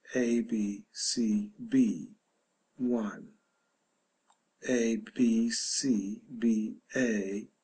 a. b. c. b. 1. a. b. c. b. a.